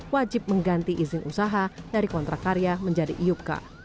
wajib mengganti izin usaha dari kontrak karya menjadi iupka